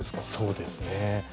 そうですね。